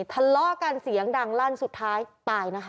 ทะเลาะกันเสียงดังลั่นสุดท้ายตายนะคะ